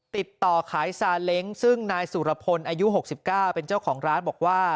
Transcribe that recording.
ติดต่อขายซาเล้งซึ่งนายสุรพลอายุ๖๙เป็นเจ้าของร้านบอกว่า